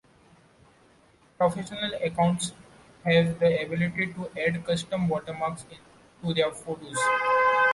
Professional accounts have the ability to add custom watermarks to their photos.